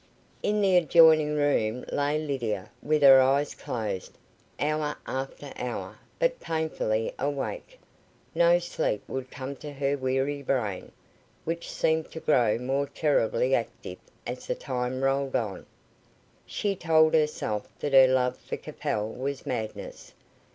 In the adjoining room lay Lydia, with her eyes closed, hour after hour, but painfully awake. No sleep would come to her weary brain, which seemed to grow more terribly active as the time rolled on. She told herself that her love for Capel was madness.